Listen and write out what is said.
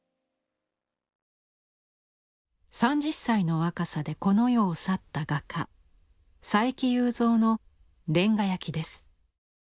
３０歳の若さでこの世を去った画家佐伯祐三の「煉瓦焼」です。